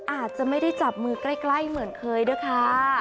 อาจจะไม่ได้จับมือใกล้เหมือนเคยด้วยค่ะ